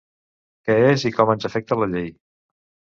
Què és i com ens afecta la Llei.